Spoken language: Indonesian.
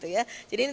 jadi ini terus